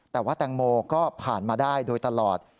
แต่ว่าแตงโมก็ผ่านมาได้โดยตลอด